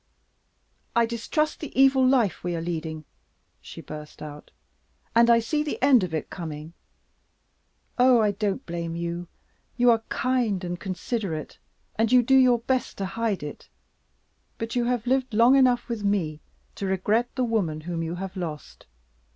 "I distrust the evil life we are leading," she burst out, "and I see the end of it coming. Oh, I don't blame you! You are kind and considerate, you do your best to hide it; but you have lived long enough with me to regret the woman whom you have lost.